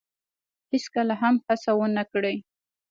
هیڅکله هم هڅه ونه کړی